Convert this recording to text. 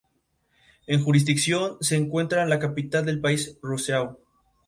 Falleció de un ataque cardíaco durante un viaje de trabajo a Tokio, en Japón.